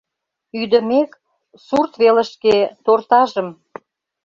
Ӱдымек, сурт велышке — тортажым;